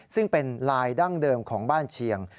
ซึ่งเป็นลายดั้งเดิมของบ้านเชียง